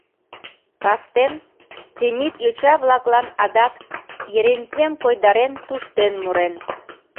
Кастен Темит йоча-влаклан адак, Ерентем койдарен, туштен мурен: